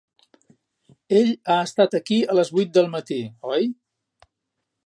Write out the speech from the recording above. Ell ha estat aquí a les vuit del matí, oi?